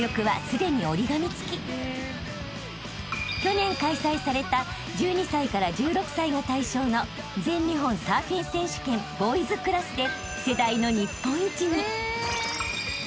［去年開催された１２歳から１６歳が対象の全日本サーフィン選手権ボーイズクラスで］